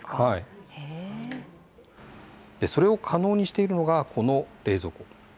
それを可能にしているのがこの冷蔵庫。